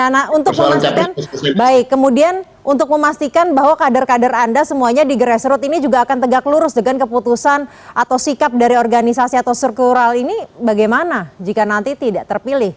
nah untuk memastikan baik kemudian untuk memastikan bahwa kader kader anda semuanya di gerai serut ini juga akan tegak lurus dengan keputusan atau sikap dari organisasi atau struktural ini bagaimana jika nanti tidak terpilih